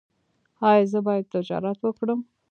ایا زه باید تجارت وکړم؟